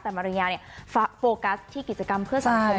แต่มารยาเนียโฟกัสในกิจกรรมเพื่อสังคมมากว่า